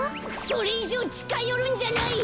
それいじょうちかよるんじゃない！